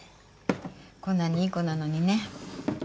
こんなにいい子なのにね。